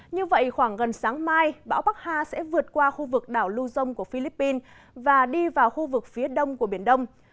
như vậy khoảng gần sáng mai bão bắc hà sẽ vượt qua khu vực đảo lưu dông của philippines và đi vào khu vực phía đông của biển đông